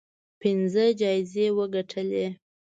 پنځه جایزې وګټلې